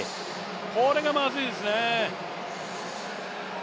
これがまずいですね。